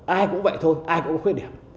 ai cũng vậy thôi ai cũng có khuyết điểm